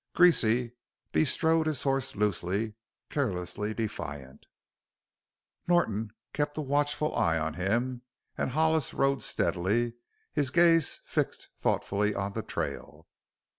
Greasy bestrode his horse loosely, carelessly defiant; Norton kept a watchful eye on him, and Hollis rode steadily, his gaze fixed thoughtfully on the trail.